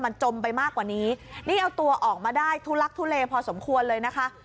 มันจมไปมากกว่านี้นี่เอาตัวออกมาได้ทุลักทุเลพอสมควรเลยนะคะ